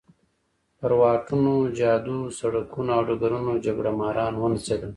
پر واټونو، جادو، سړکونو او ډګرونو جګړه ماران ونڅېدل.